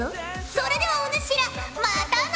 それではお主らまたな！